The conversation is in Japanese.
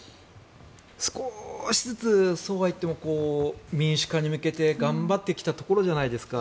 少しずつそうはいっても民主化に向けて頑張ってきたところじゃないですか。